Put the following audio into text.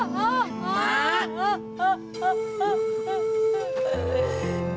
makan sendal lu